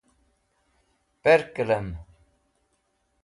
Perkẽlẽm?